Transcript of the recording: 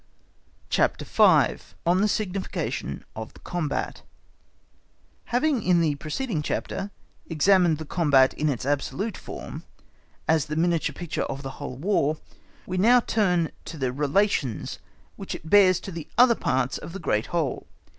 CHAPTER V. On the Signification of the Combat Having in the preceding chapter examined the combat in its absolute form, as the miniature picture of the whole War, we now turn to the relations which it bears to the other parts of the great whole.